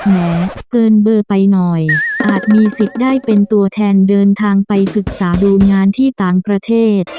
แม้เกินเบอร์ไปหน่อยอาจมีสิทธิ์ได้เป็นตัวแทนเดินทางไปศึกษาดูงานที่ต่างประเทศ